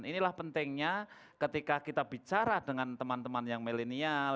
inilah pentingnya ketika kita bicara dengan teman teman yang milenial